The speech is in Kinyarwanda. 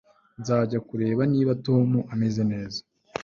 Nzajya kureba niba Tom ameze neza